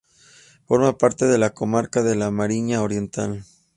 Forma parte de la comarca de la Mariña Oriental.